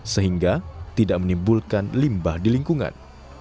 sehingga tidak menimbulkan limbah di lingkungan